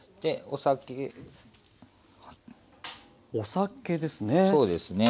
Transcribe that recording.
お酒ですね。